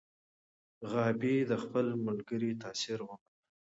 غابي د خپل ملګري تاثیر ومنه.